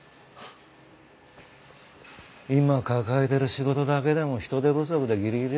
今抱えてる仕事だけでも人手不足でギリギリだよ。